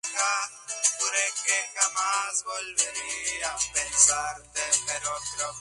Esto convirtió a la Universidad de Puerto Rico en un centro de prestigio.